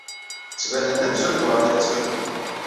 Ttbanen-d amzun bɣan ad ttrun.